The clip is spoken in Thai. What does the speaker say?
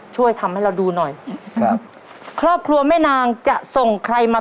ช่วยทำให้เราดูหน่อยครับ